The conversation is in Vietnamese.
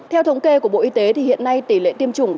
theo thống kê của bộ y tế hiện nay tỷ lệ tiêm chủng